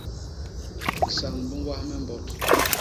Bisañ bi ñwas me mbot.